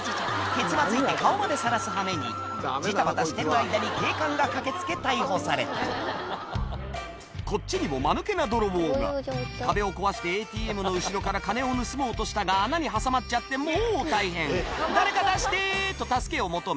蹴つまずいて顔までさらす羽目にじたばたしてる間に警官が駆け付け逮捕されたこっちにもマヌケな泥棒が壁を壊してＡＴＭの後ろから金を盗もうとしたが穴に挟まっちゃってもう大変「誰か出して！」と助けを求め